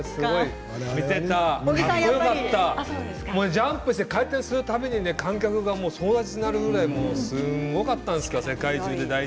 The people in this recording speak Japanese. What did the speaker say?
ジャンプをして回転する度に観客が総立ちになるぐらいすごかったです。